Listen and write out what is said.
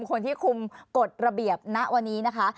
คนที่คุมกฎระเบียบณวันนี้นะคะ